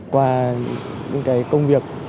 qua những cái công việc